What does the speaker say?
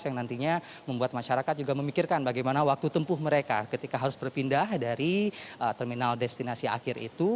yang nantinya membuat masyarakat juga memikirkan bagaimana waktu tempuh mereka ketika harus berpindah dari terminal destinasi akhir itu